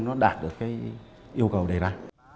nó đạt được cái yêu cầu này ra